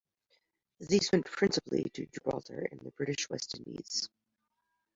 These went principally to Gibraltar and the British West Indies.